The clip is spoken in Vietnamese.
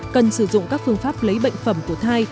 cần sử dụng các phương pháp lấy bệnh phẩm của thai